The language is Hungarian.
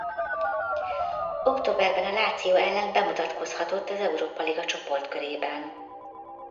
Októberben a Lazio ellen bemutatkozhatott az Európa-liga csoportkörében.